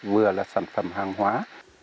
vừa là sản phẩm hoa lan